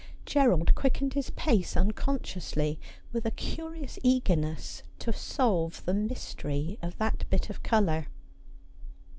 Gerald quickened his pace un consciously, with a curious eagerness to solve the mystery of that bit of colour.